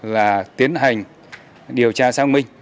là tiến hành điều tra sang mình